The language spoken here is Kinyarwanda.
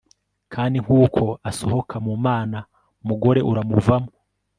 Kandi nkuko asohoka mu Mana mugore uramuvamo